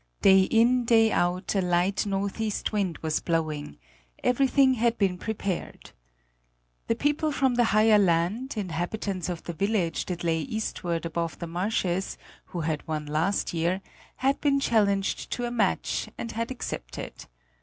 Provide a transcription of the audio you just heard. Day in, day out, a light northeast wind was blowing: everything had been prepared. The people from the higher land, inhabitants of the village that lay eastward above the marshes, who had won last year, had been challenged to a match and had accepted.